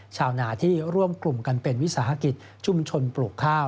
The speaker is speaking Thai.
ชาวนาที่ร่วมกลุ่มกันเป็นวิสาหกิจชุมชนปลูกข้าว